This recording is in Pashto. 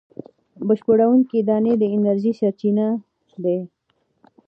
بشپړوونکې دانې د انرژۍ سرچینه دي.